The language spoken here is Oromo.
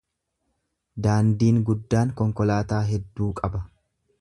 Daandiin guddaan konkolaataa hedduu qaba.